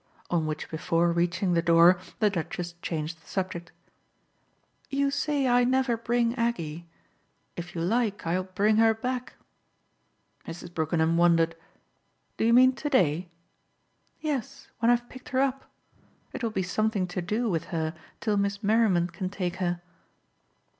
On which before reaching the door, the Duchess changed the subject. "You say I never bring Aggie. If you like I'll bring her back." Mrs. Brookenham wondered. "Do you mean today?" "Yes, when I've picked her up. It will be something to do with her till Miss Merriman can take her."